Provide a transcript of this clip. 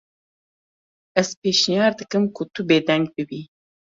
Ez pêşniyar dikim ku tu bêdeng bibî.